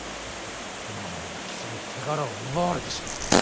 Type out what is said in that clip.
このままでは木曽に手柄を奪われてしまう。